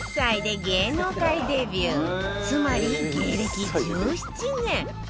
つまり芸歴１７年